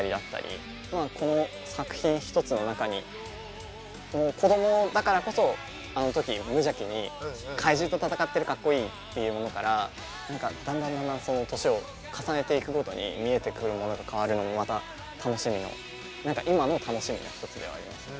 この作品一つの中に子供だからこそあの時無邪気に怪獣と戦ってるかっこいいっていうものから何かだんだんだんだん年を重ねていくごとに見えてくるものとかあるのもまた楽しみの何か今の楽しみの一つではありますね。